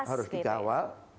betul harus dikawal